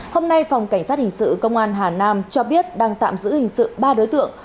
hôm nay phòng cảnh sát hình sự công an hà nam cho biết đang tạm giữ hình sự ba đối tượng